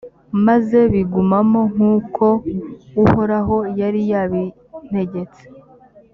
maze bigumamo nk’uko uhoraho yari yabintegetse.